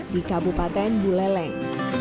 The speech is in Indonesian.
di kabupaten buleleng